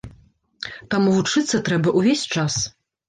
Таму вучыцца трэба ўвесь час.